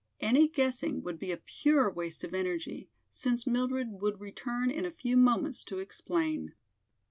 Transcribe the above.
Any guessing would be a pure waste of energy, since Mildred would return in a few moments to explain.